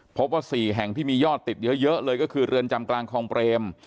พบว่า๔แห่งที่มียอดติดเยอะเลยก็คือเรือนจำกลางคลองเปรม